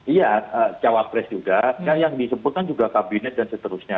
iya cawapres juga yang disebutkan juga kabinet dan seterusnya